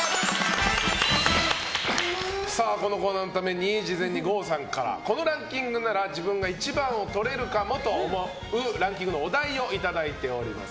このコーナーのために事前に郷さんからこのランキングなら自分が１番をとれるかもと思うランキングのお題をいただいております。